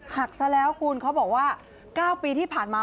หักซะแล้วคุณเขาบอกว่า๙ปีที่ผ่านมา